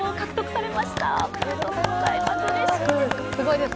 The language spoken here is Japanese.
おめでとうございます。